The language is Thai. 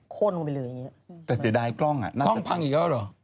คนไปเลยอย่างเงี้ยแต่เสียดายกล้องอ่ะหน้ากล้องพังอีกแล้วเหรอ